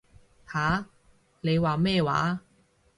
吓？你話咩話？